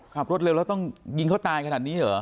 ขับรถเร็วแล้วต้องยิงเขาตายขนาดนี้เหรอ